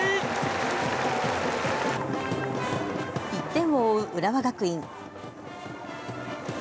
１点を追う浦和学院。